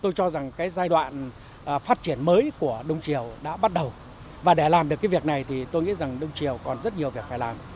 tôi cho rằng cái giai đoạn phát triển mới của đông triều đã bắt đầu và để làm được cái việc này thì tôi nghĩ rằng đông triều còn rất nhiều việc phải làm